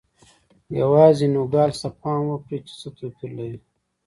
یوازې نوګالس ته پام وکړئ چې څه توپیر لري.